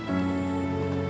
masjid yang tersebut